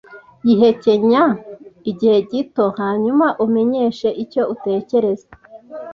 Yihekenya igihe gito hanyuma umenyeshe icyo utekereza.